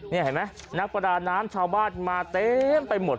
นี่เห็นไหมนักประดาน้ำชาวบ้านมาเต็มไปหมด